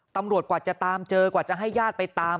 กว่าจะตามเจอกว่าจะให้ญาติไปตาม